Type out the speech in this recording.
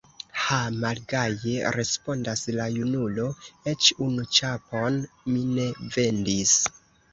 Ha, malgaje respondas la junulo, eĉ unu ĉapon mi ne vendis!